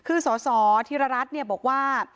คือสอธิรรณรัฐเนี่ยบอกว่า